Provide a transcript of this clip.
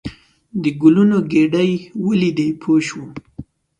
د ګلونو ګېدۍ ولیدې پوه شوم.